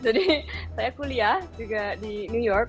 jadi saya kuliah juga di new york